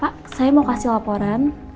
pak saya mau kasih laporan